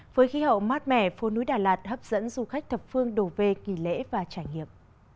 với khí hậu mát mẻ phố núi đà lạt hấp dẫn du khách thập phương đổ về kỳ lễ và trải nghiệm